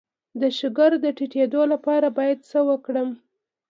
د شکر د ټیټیدو لپاره باید څه وکړم؟